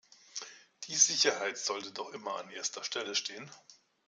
Die Sicherheit sollte doch immer an erster Stelle stehen.